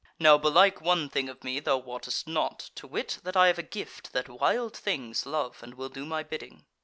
"Now belike one thing of me thou wottest not, to wit, that I have a gift that wild things love and will do my bidding.